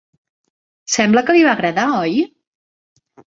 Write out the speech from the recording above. Sembla que li va agradar, oi?